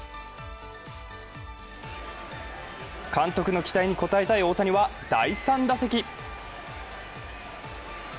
監督の期待に応えたい大谷は第３打席。